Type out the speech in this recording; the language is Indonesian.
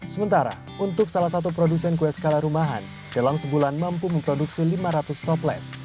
sementara untuk salah satu produsen kue skala rumahan dalam sebulan mampu memproduksi lima ratus stopless